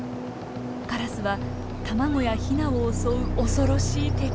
カラスは卵やヒナを襲う恐ろしい敵。